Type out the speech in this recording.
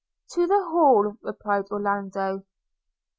'To the Hall,' replied Orlando.